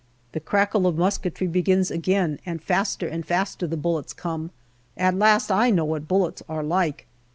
The crackle of musketry begins again, and faster and faster the bullets come. At last I know what bullets are like.